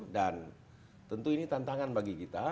dan tentu ini tantangan bagi kita